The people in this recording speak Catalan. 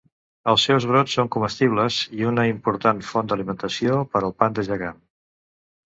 Els seus brots són comestibles i una important font d'alimentació per al panda gegant.